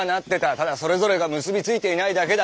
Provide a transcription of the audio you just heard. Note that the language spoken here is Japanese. ただそれぞれが結び付いていないだけだ。